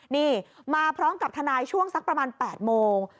นี่มาพร้อมกับทนายช่วงสักประมาณ๘โมง